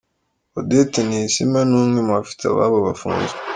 Claudette Ninsiima ni umwe mu bafite ababo bafunzwe.